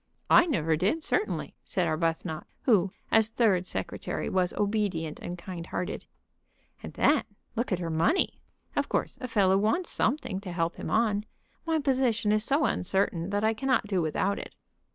"I never did, certainly," said Arbuthnot, who, as third secretary, was obedient and kind hearted. "And then look at her money. Of course a fellow wants something to help him on. My position is so uncertain that I cannot do without it."